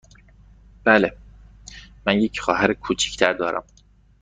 بله، من یک خواهر کوچک تر دارم.